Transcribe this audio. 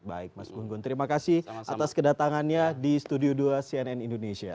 baik mas gun gun terima kasih atas kedatangannya di studio dua cnn indonesia